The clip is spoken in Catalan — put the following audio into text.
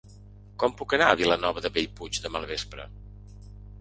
Com puc anar a Vilanova de Bellpuig demà al vespre?